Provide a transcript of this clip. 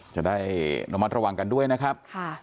จะได้ระมัดระวังกันด้วยนะครับ